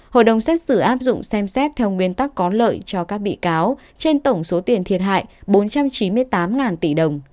hội đồng xét xử áp dụng xem xét theo nguyên tắc có lợi cho các bị cáo trên tổng số tiền thiệt hại bốn trăm chín mươi tám tỷ đồng